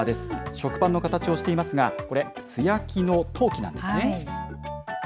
食パンの形をしていますが、これ、素焼きの陶器なんですね。